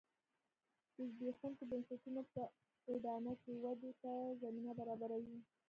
د زبېښونکو بنسټونو په اډانه کې ودې ته زمینه برابروي